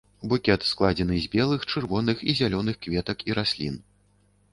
Букет складзены з белых, чырвоных і зялёных кветак і раслін.